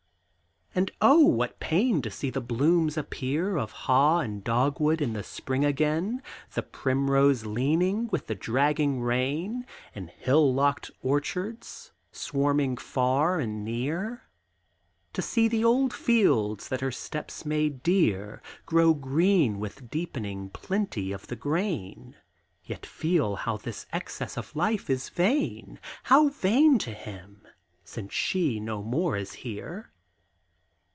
And, oh, what pain to see the blooms appear Of haw and dogwood in the spring again; The primrose leaning with the dragging rain, And hill locked orchards swarming far and near. To see the old fields, that her steps made dear, Grow green with deepening plenty of the grain, Yet feel how this excess of life is vain, How vain to him! since she no more is here.